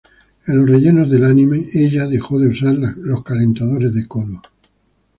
En los rellenos del anime, ella dejó de usar los calentadores de codo.